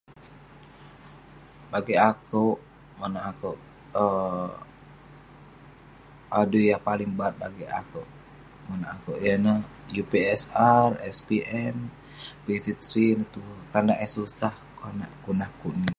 Bagik akuek manouk akuek adui yah paling bat bagik akuek monak akuek yan neh upstairs, spm pitiry ineh tuek